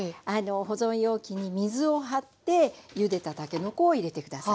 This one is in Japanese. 保存容器に水を張ってゆでたたけのこを入れて下さい。